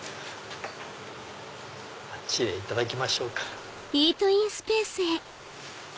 あっちでいただきましょうか。